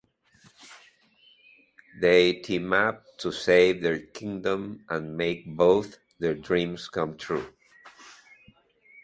They team up to save their kingdom and make both their dreams come true.